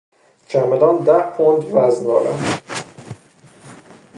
چمدان ده پوند وزن دارد.